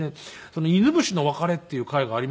「犬伏の別れ」っていう回がありまして。